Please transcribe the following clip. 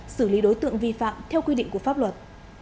xử lý đối tượng vi phạm theo quy định của pháp luật